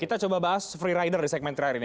kita coba bahas free rider di segmen terakhir ini